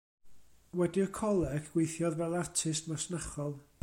Wedi'r coleg, gweithiodd fel artist masnachol.